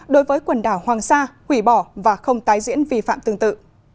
đối với quần đảo hoàng sa hủy bỏ và không tái diễn vi phạm tương tự